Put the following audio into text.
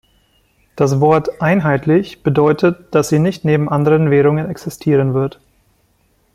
Das Wort "einheitlich" bedeutet, dass sie nicht neben anderen Währungen existieren wird.